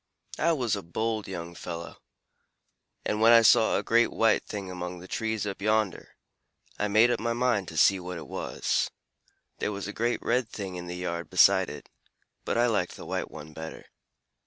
"I was a bold young fellow, and when I saw a great white thing among the trees up yonder, I made up my mind to see what it was. There was a great red thing in the yard beside it, but I liked the white one better.